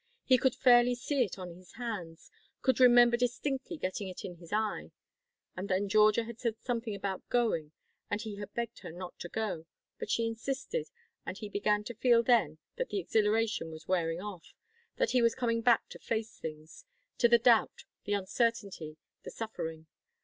He could fairly see it on his hands, could remember distinctly getting it in his eye. And then Georgia had said something about going, and he had begged her not to go. But she insisted, and he began to feel then that the exhilaration was wearing off, that he was coming back to face things; to the doubt, the uncertainty, the suffering.